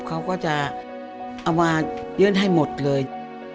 เขาก็จะเอามายื่นให้หมดเลย